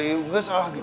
enggak salah gitu